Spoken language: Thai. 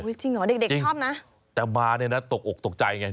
โอ้ยจริงเหรอเด็กชอบน่ะจริงแต่มาเนี่ยน่ะตกอกตกใจไง